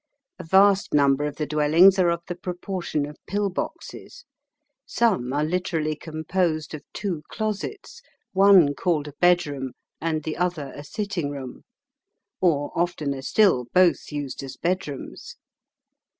A vast number of the dwellings are of the proportion of pill boxes. Some are literally composed of two closets, one called a bedroom and the other a sitting room; or, oftener still, both used as bedrooms.